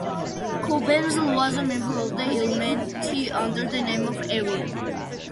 Cobenzl was a member of the Illuminati under the name of Arrian.